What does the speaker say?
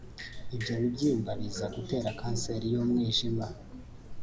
ibyo bibyimba biza gutera kanseri y’umujwima